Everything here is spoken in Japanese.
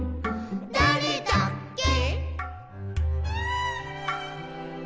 「だれだっけ」